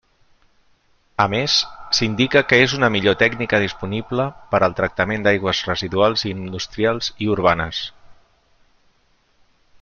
A més, s'indica que és una millor tècnica disponible per al tractament d'aigües residuals industrials i urbanes.